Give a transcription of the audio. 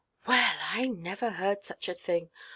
"Well! I never heard such a thing.